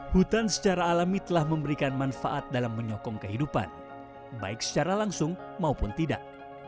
hutan secara alami telah memberikan manfaat dalam menyokong kehidupan baik secara langsung maupun tidak